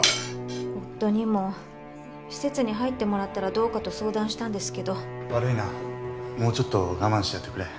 夫にも施設に入ってもらったらどうかと相談したんですけど悪いなもうちょっと我慢してやってくれ